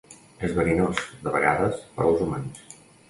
És verinós, de vegades, per als humans.